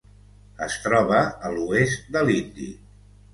Es troba a l'oest de l'Índic.